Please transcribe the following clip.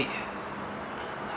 bukan lo juga sedih